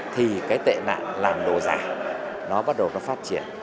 thì cái tệ nạn làm đồ giả nó bắt đầu nó phát triển